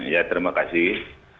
ya terima kasih